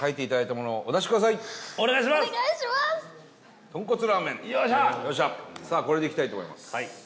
伊達：さあ、これでいきたいと思います。